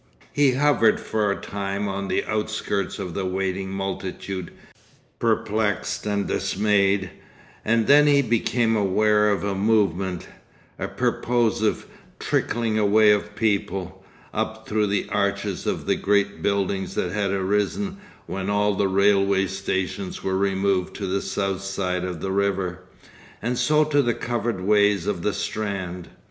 He hovered for a time on the outskirts of the waiting multitude, perplexed and dismayed, and then he became aware of a movement, a purposive trickling away of people, up through the arches of the great buildings that had arisen when all the railway stations were removed to the south side of the river, and so to the covered ways of the Strand.